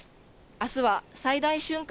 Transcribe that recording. あすは最大瞬間